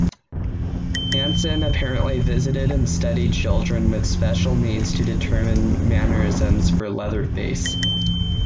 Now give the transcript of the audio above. Hansen apparently visited and studied children with special needs to determine mannerisms for Leatherface.